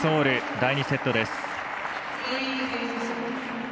第２セットです。